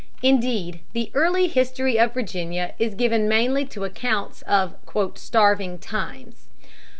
Indeed, the early history of Virginia is given mainly to accounts of "starving times."